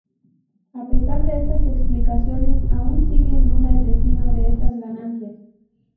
A pesar de estas explicaciones, aún sigue en duda el destino de esas ganancias.